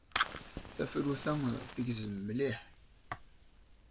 Tafrut-a tgezzem mliḥ.